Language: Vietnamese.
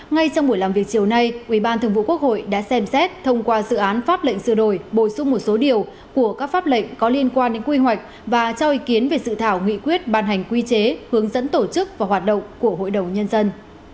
ngay trong buổi làm việc chiều nay ủy ban thường vụ quốc hội đã xem xét thông qua dự án pháp lệnh sửa đổi bổ sung một số điều của các pháp lệnh có liên quan đến quy hoạch và cho ý kiến về sự thảo nghị quyết ban hành quy chế hướng dẫn tổ chức và hoạt động của hội đồng nhân dân